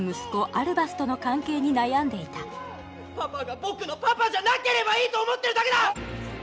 アルバスとの関係に悩んでいたパパが僕のパパじゃなければいいと思ってるだけだ！